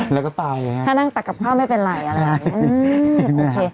แล้วก็ตายเหรอฮะถ้านั่งตัดกับข้าวไม่เป็นไรอะไรอื้อ